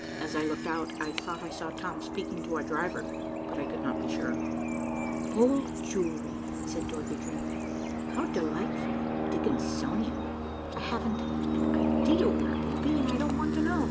As I looked out, I thought I saw Tom speaking to our driver, but I could not be sure. "Old Jewry," said Dorothy dreamily. "How delightfully Dickensonian. I haven't an idea where it can be, and I don't want to know.